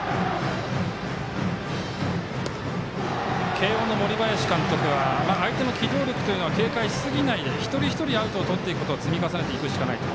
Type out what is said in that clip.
慶応の森林監督は相手の機動力を警戒しすぎないで一人一人アウトをとっていくことを積み重ねていくしかないと。